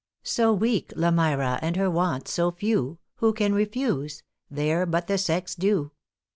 ```So weak Lamira, and her wants so few, ```Who can refuse? they're but the sex's due.